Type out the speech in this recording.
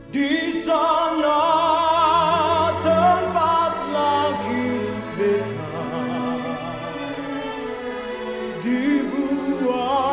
di sana tempat lagi betah